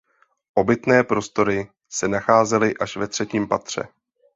Obytné prostory se nacházely až ve třetím patře.